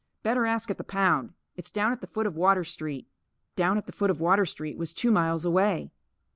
Better ask at the pound. It's down at the foot of Water Street." "Down at the foot of Water Street" was two miles away.